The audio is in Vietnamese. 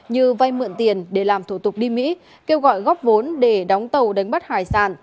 như vay mượn tiền để làm thủ tục đi mỹ kêu gọi góp vốn để đóng tàu đánh bắt hải sản